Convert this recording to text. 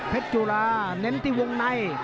จุฬาเน้นที่วงใน